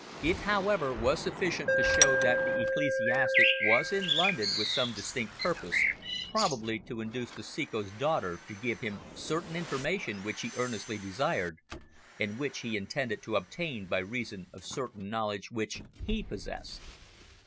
It, however, was sufficient to show that the ecclesiastic was in London with some distinct purpose, probably to induce the Ceco's daughter to give him certain information which he earnestly desired, and which he intended to obtain by reason of certain knowledge which he possessed.